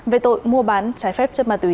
về tội mua bán trái phép chất ma túy